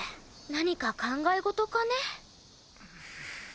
何か考え事かね？